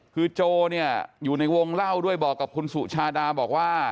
คือโจเนี่ยอยู่ในวงเล่าด้วยบอกกับคุณสุชาดาบอกว่า